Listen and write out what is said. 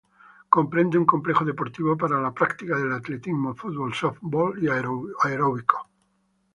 Comprende un complejo deportivo para la práctica del atletismo, fútbol, sóftbol y aeróbicos.